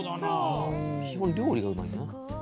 基本料理がうまいな。